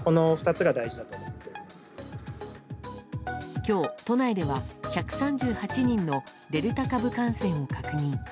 今日、都内では１３８人のデルタ株感染を確認。